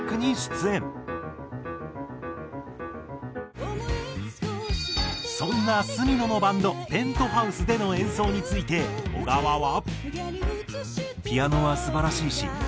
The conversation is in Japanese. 昨年はそんな角野のバンドＰｅｎｔｈｏｕｓｅでの演奏について小川は。